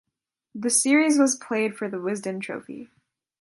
The series was played for the Wisden Trophy.